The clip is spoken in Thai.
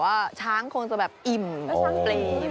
แล้วช้างกินทุเรียนไหน